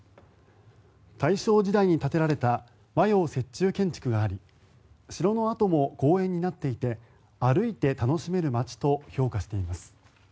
大正時代に建てられた和洋折衷建築があり城の跡も公園になっていて歩いて楽しめる街と評価しています。